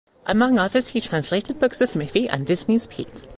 Among others he translated books of Miffy and Disney’s Pete.